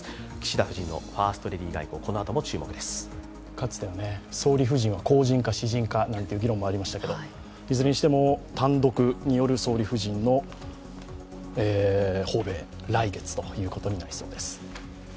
かつては総理夫人は公人か私人かなんていう議論もありましたけれども、いずれにしても、単独による総理夫人の訪米、来月ということになりそうです。